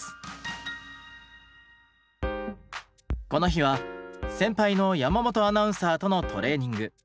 この日は先輩の山本アナウンサーとのトレーニング。